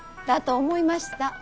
だと思いました。